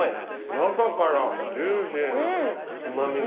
中からジューシーなうま味が。